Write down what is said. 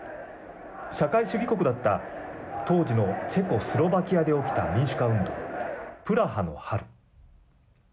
社会主義国だった当時のチェコスロバキアで起きた民主化運動、プラハの春。